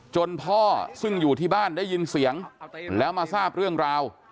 พ่อซึ่งอยู่ที่บ้านได้ยินเสียงแล้วมาทราบเรื่องราว